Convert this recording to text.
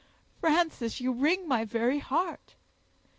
"Frances, you wring my very heart!"